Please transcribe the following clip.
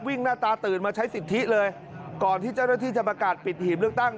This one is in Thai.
หน้าตาตื่นมาใช้สิทธิเลยก่อนที่เจ้าหน้าที่จะประกาศปิดหีบเลือกตั้ง